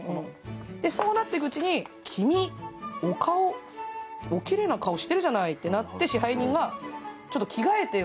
そうなっていくうちに君、お顔、おきれいな顔してるじゃないって言って支配人がちょっと着替えてよ